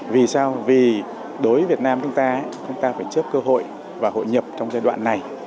vì sao vì đối với việt nam chúng ta chúng ta phải chấp cơ hội và hội nhập trong giai đoạn này